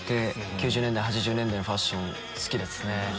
９０年代８０年代のファッション好きですね。